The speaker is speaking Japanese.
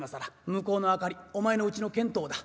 向こうの明かりお前のうちの見当だ。